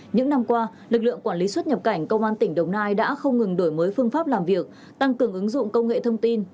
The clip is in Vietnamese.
những năm qua lực lượng quản lý xuất nhập cảnh công an tỉnh đồng nai đã không ngừng đổi mới phương pháp làm việc tăng cường ứng dụng công nghệ thông tin